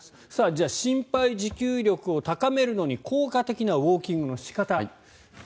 じゃあ、心肺持久力を高めるのに効果的なウォーキングの仕方。